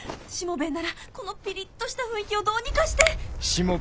しもべえならこのピリッとした雰囲気をどうにかして。